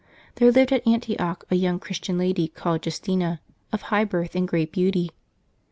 There lived at Antioch a young Christian lady called Justina, of high birth and great beauty.